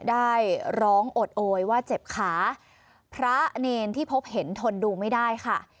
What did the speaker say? ได้ร้องอดโอยว่าเจ็บขาพระเนรที่พบเห็นทนดูไม่ได้ค่ะ